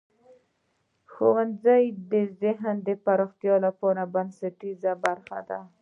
ښوونځی د ذهن د پراختیا لپاره بنسټیزه برخه ده.